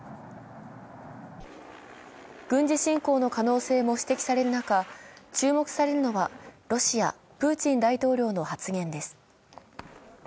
軍事侵攻の可能性も指摘される中、注目されるのはロシア・プーチン大統領の発言です